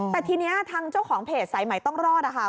แต่ทีนี้ทางเจ้าของเพจสายใหม่ต้องรอดนะคะ